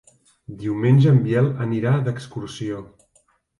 Diumenge en Biel anirà d'excursió.